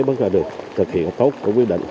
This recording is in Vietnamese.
bất cứ là được thực hiện tốt của quyết định